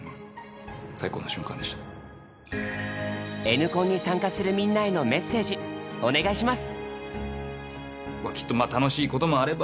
「Ｎコン」に参加するみんなへのメッセージお願いします！